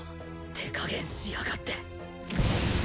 手加減しやがって。